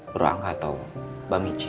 buru angga atau mbak michi